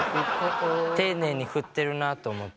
丁寧に振ってるなと思って。